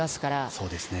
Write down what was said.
そうですね。